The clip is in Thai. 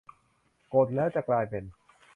กด แล้วจะกลายเป็น